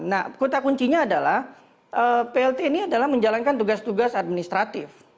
nah kota kuncinya adalah plt ini adalah menjalankan tugas tugas administratif